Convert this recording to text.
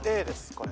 これ。